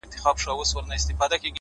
گنې زما کافر زړه چيري يادول گلونه;